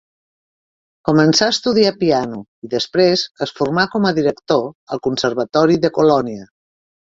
Començà a estudiar piano i després es formà com a director al Conservatori de Colònia.